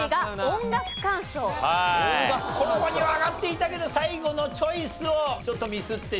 候補には挙がっていたけど最後のチョイスをちょっとミスってしまったと。